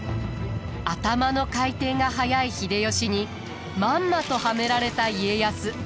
頭の回転が速い秀吉にまんまとはめられた家康。